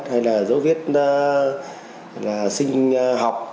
hay là dấu vết sinh học